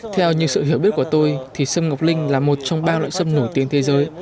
theo như sự hiểu biết của tôi thì sâm ngọc linh là một trong ba loại sâm nổi tiếng thế giới